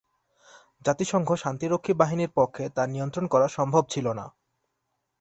জাতিসংঘ শান্তিরক্ষী বাহিনীর পক্ষে তা নিয়ন্ত্রণ করা সম্ভব ছিল না।